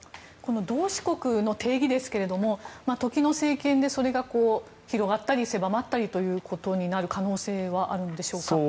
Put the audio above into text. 同志国の定義ですけれども時の政権で、それが広がったり狭まったりということになる可能性はあるんでしょうか？